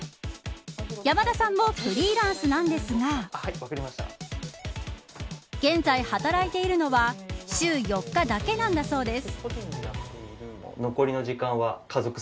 山田さんもフリーランスなんですが現在働いているのは週４日だけなんだそうです。